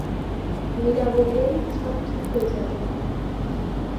মীরা বললেন, সব ঠিক হয়ে যাবে।